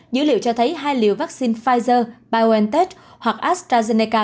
dữ liệu cho thấy hai liều vaccine pfizer biontech hoặc astrazeneca